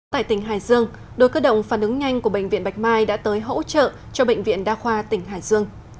tại tỉnh hải dương đội cơ động phản ứng nhanh của bệnh viện bạch mai đã tới hỗ trợ cho bệnh viện đa khoa tỉnh hải dương